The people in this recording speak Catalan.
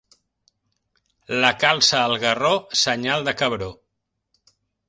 La calça al garró, senyal de cabró.